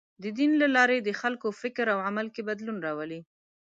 د دین له لارې د خلکو فکر او عمل کې بدلون راولي.